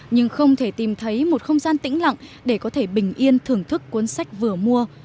nhưng không thể tìm thấy một không gian tĩnh lặng để có thể bình yên thưởng thức cuốn sách vừa mua